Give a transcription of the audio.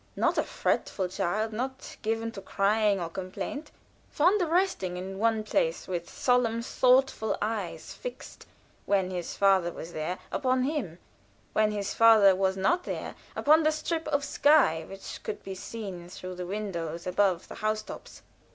Not a fretful child, not given to crying or complaint; fond of resting in one place, with solemn, thoughtful eyes fixed, when his father was there, upon him; when his father was not there, upon the strip of sky which was to be seen, through the window above the house tops.